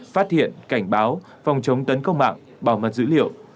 phát hiện cảnh báo phòng chống tấn công mạng bảo mật dữ liệu